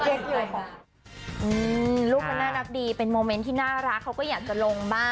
ก็จริงรูปมันน่ารักดีก็เลยอยากลงค่ะ